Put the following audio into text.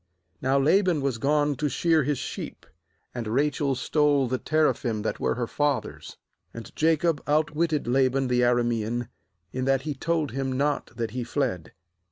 I9Now Laban was gone to shear his sheep. And Rachel stole the teraphim that were her father's. 20And Jacob outwitted La ban the Aramean, in that he told him not that he fled.